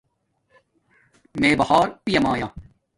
میے بہار پیامایا